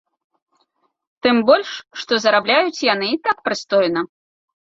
Тым больш, што зарабляюць яны і так прыстойна.